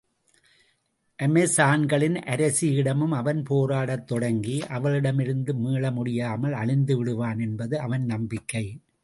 அமெசான்களின் அரசியிடமும் அவன் போராடத் தொடங்கி, அவளிடமிருந்து மீள முடியாமல் அழிந்துவிடுவான் என்பது அவன் நம்பிக்கை.